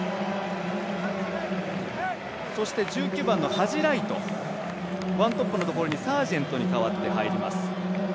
そして１９番のハジ・ライトワントップのところにサージェントに代わって入ります。